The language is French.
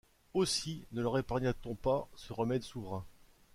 Aussi ne leur épargna-t-on pas ce remède souverain.